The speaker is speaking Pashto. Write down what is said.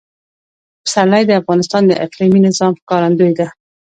پسرلی د افغانستان د اقلیمي نظام ښکارندوی ده.